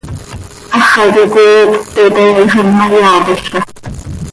Háxaca coi iicp pte tayaaixam ma, yaatolca.